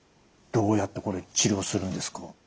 どうやってこれ治療するんですか？